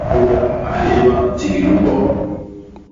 Mudaa a hééba ntiñgil u mbot.